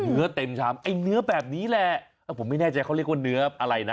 เนื้อเต็มชามไอ้เนื้อแบบนี้แหละผมไม่แน่ใจเขาเรียกว่าเนื้ออะไรนะ